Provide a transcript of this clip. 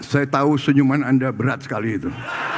saya tahu senyuman anda berat sekali itu